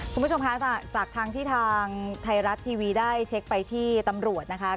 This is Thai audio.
คุณผู้ชมคะจากทางที่ทางไทยรัฐทีวีได้เช็คไปที่ตำรวจนะคะ